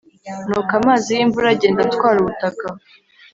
n’uko amazi y’imvura agenda atwara ubutaka